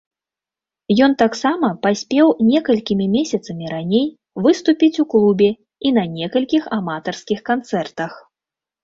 Ён таксама паспеў некалькімі месяцамі раней выступіць у клубе і на некалькіх аматарскіх канцэртах.